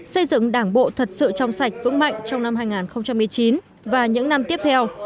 xây dựng đảng bộ thật sự trong sạch vững mạnh trong năm hai nghìn một mươi chín và những năm tiếp theo